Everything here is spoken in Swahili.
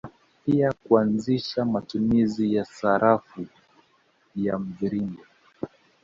Pia kuanzisha matumizi ya sarafu ya mviringo